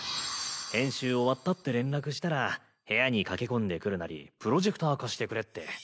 編集終わったって連絡したら部屋に駆け込んでくるなりプロジェクター貸してくれって。